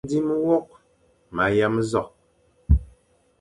Mendzim nwokh ma yam nzokh.